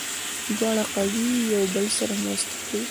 دواړه قوې یو بل سره مرسته کوي.